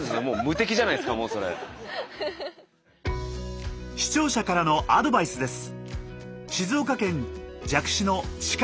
何ですか視聴者からのアドバイスです。